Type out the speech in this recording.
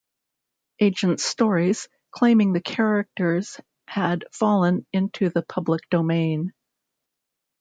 Agents stories, claiming the characters had fallen into the public domain.